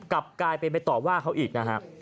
กลับกลายไปไปตอบว่าเขาอีกนะครับ